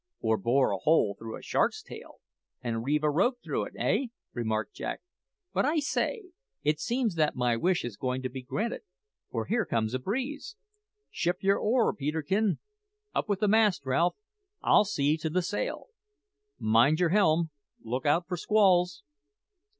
"Or bore a hole through a shark's tail and reeve a rope through it, eh?" remarked Jack. "But, I say, it seems that my wish is going to be granted, for here comes a breeze. Ship your oar, Peterkin. Up with the mast, Ralph; I'll see to the sail. Mind your helm; look out for squalls!"